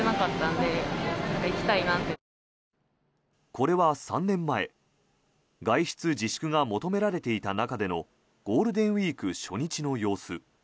これは３年前外出自粛が求められていた中でのゴールデンウィーク初日の様子。